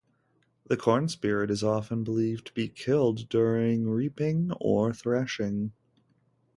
The corn spirit is often believed to be killed during reaping or threshing.